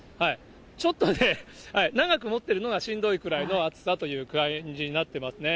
ちょっとね、長く持ってるのがしんどいくらいの熱さという感じになっていますね。